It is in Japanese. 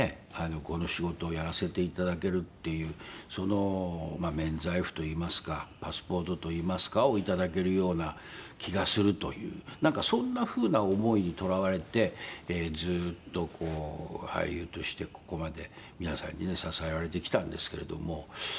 この仕事をやらせていただけるっていう免罪符といいますかパスポートといいますかをいただけるような気がするというなんかそんな風な思いにとらわれてずっとこう俳優としてここまで皆さんにね支えられてきたんですけれども。